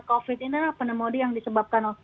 covid ini adalah pneumoni yang disebabkan